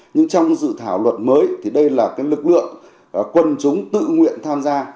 nhưng trong sự thảo luận mới thì đây là cái lực lượng quân chúng tự nguyện tham gia